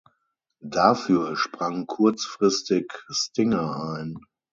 Dafür sprang kurzfristig Stinger ein.